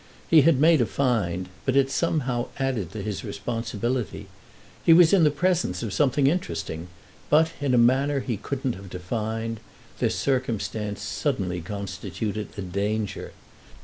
He had made a find, but it somehow added to his responsibility; he was in the presence of something interesting, but (in a manner he couldn't have defined) this circumstance suddenly constituted a danger.